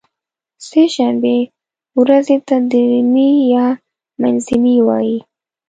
سې شنبې ورځې ته درینۍ یا منځنۍ وایی